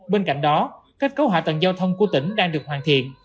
bên cạnh đó cách cấu hỏa tầng giao thông của tỉnh đang được hoàn thiện